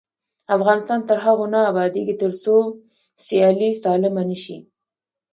افغانستان تر هغو نه ابادیږي، ترڅو سیالي سالمه نشي.